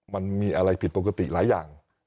มันมีอะไรผิดปกติหลายอย่าง